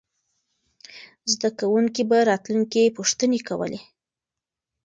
زده کوونکي به راتلونکې کې پوښتنې کوله.